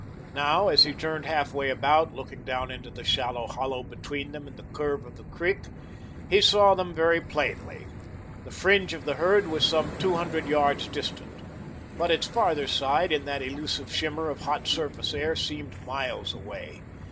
Now, as he turned half way about, looking down into the shallow hollow between him and the curve of the creek, he saw them very plainly. The fringe of the herd was some two hundred yards distant, but its farther side, in that illusive shimmer of hot surface air, seemed miles away.